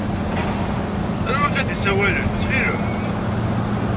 Anwa akka d-isawalen, ttxil-m?